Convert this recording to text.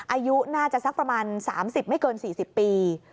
อายุน่าจะสักประมาณ๓๐ไม่เกิน๔๐ปี